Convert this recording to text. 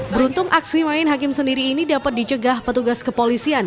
beruntung aksi main hakim sendiri ini dapat dicegah petugas kepolisian